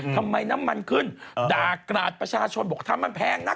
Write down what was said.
ทำไมน้ำมันขึ้นด่ากราดประชาชนบอกถ้ามันแพงนัก